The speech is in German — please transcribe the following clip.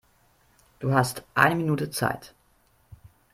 Du hast eine Minute Zeit.